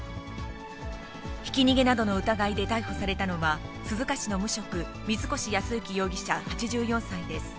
ひき逃げなどの疑いで逮捕されたのは、鈴鹿市の無職、水越保之容疑者８４歳です。